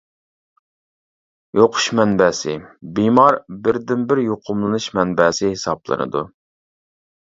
يۇقۇش مەنبەسى : بىمار بىردىنبىر يۇقۇملىنىش مەنبەسى ھېسابلىنىدۇ.